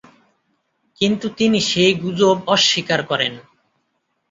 কিন্তু তিনি সেই গুজব অস্বীকার করেন।